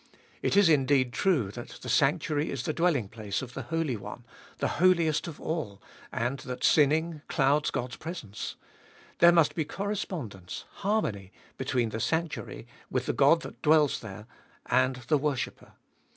It is indeed true that the sanctuary is the dwelling place of the Holy One, the Holiest of All, and that sinning clouds God's presence. There must be correspondence, harmony, between the sanctuary, with the God that dwells there, and the worshipper.